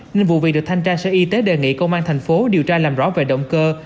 nên vụ việc được thanh tra sở y tế đề nghị công an tp hcm điều tra làm rõ về động cơ